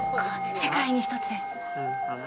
世界に１つです。